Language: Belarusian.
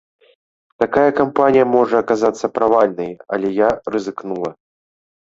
Такая кампанія можа аказацца правальнай, але я рызыкнула.